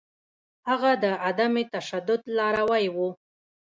هغه د عدم تشدد لاروی و.